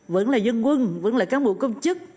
vẫn là dân quân vẫn là cán bộ công chức